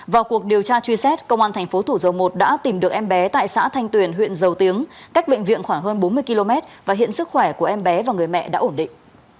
vào cuộc điều tra truy xét công an thành phố thủ dầu một đã tìm được em bé tại xã thanh tuyền huyện dầu tiếng cách bệnh viện khoảng hơn bốn mươi km và hiện sức khỏe của em bé và người mẹ đã ổn định